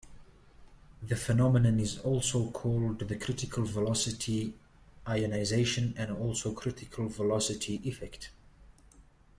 The phenomenon is also called the "Critical velocity ionization", and also "Critical velocity effect".